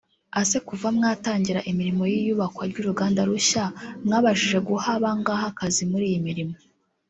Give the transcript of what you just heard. ese kuva mwatangira imirimo y’iyubakwa ry’uruganda rushya mwabashije guha bangaye akazi muri iyi mirimo